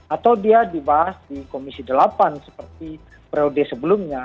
atau dia dibahas di komisi delapan seperti prioritas sebelumnya